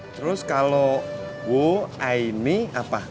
terus kalau bu aini apa